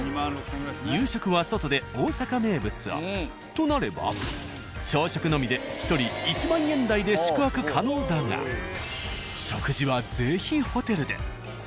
夕食は外で大阪名物をとなれば朝食のみで１人１万円台で宿泊可能だが食事は是非ホテルで。